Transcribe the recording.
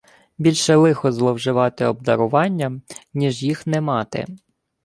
Більше лихо зловживати обдаруваннями, ніж їх не мати.